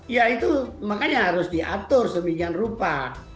ya itu makanya harus diatur semikian rupa